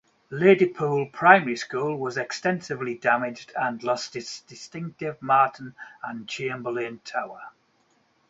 Ladypool Primary School was extensively damaged and lost its distinctive Martin and Chamberlain tower.